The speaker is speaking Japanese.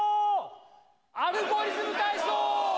「アルゴリズムたいそう」！